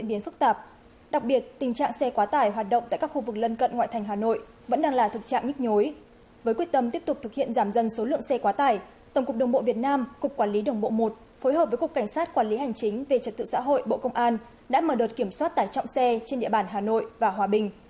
quy tâm tiếp tục thực hiện giảm dân số lượng xe quá tải tổng cục đồng bộ việt nam cục quản lý đồng bộ một phối hợp với cục cảnh sát quản lý hành chính về trật tự xã hội bộ công an đã mở đợt kiểm soát tải trọng xe trên địa bàn hà nội và hòa bình